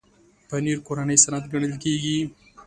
پنېر کورنی صنعت ګڼل کېږي.